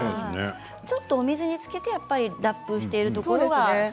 ちょっとお水につけてラップしていたところが。